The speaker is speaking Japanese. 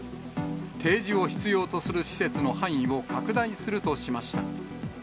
提示を必要とする施設の範囲を拡大するとしました。